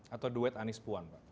atau duet anies puan pak